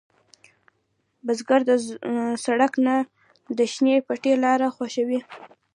بزګر د سړک نه، د شنې پټي لاره خوښوي